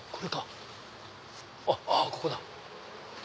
あっここだ。